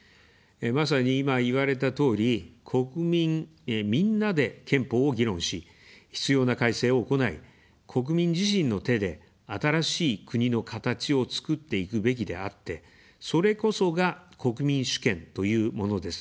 まさに今、言われたとおり、国民みんなで憲法を議論し、必要な改正を行い、国民自身の手で新しい「国のかたち」をつくっていくべきであって、それこそが、国民主権というものです。